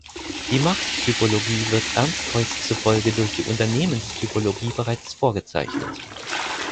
Die Markttypologie wird Ernst Heuß zufolge durch die Unternehmerstypologie bereits vorgezeichnet.